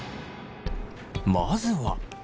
まずは。